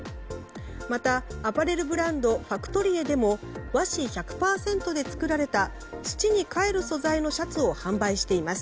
また、アパレルブランドファクトリエでも和紙１００％で作られた土にかえる素材のシャツを販売しています。